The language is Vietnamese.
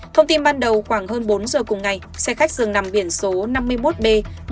thông tin ban đầu khoảng hơn bốn giờ cùng ngày xe khách dường nằm biển số năm mươi một b một mươi sáu nghìn hai trăm chín mươi năm